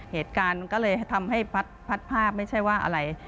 เหตุการณ์มันก็เลยทำให้พัดภาพไม่ใช่ว่าอะไร